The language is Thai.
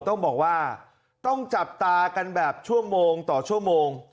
ต้องบอกว่าต้องจับตากันแบบชั่วโมงต่อชั่วโมง